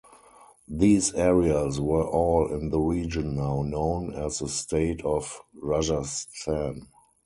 These areas were all in the region now known as the state of Rajasthan.